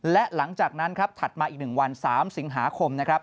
และหลังจากนั้นครับถัดมาอีกหนึ่งวัน๓สิงหาคม